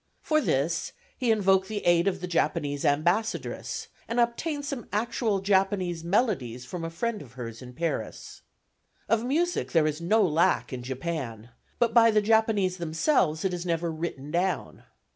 For this he invoked the aid of the Japanese ambassadress, and obtained some actual Japanese melodies from a friend of hers in Paris. Of music there is no lack in Japan, but by the Japanese themselves it is never written down.